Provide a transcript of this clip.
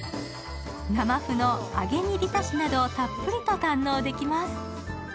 生麩の揚げ煮びたしなどたっぷりと堪能できます。